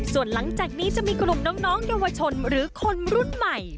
ส่วนหลังจากนี้จะมีกลุ่มน้องเยาวชนหรือคนรุ่นใหม่